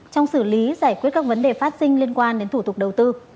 trong xử lý giải quyết các vấn đề phát sinh liên quan đến thủ tục đầu tư